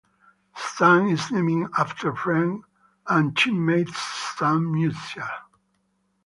Stan is named after friend and teammate Stan Musial.